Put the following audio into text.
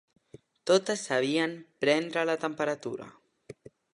Totes sabien prendre la temperatura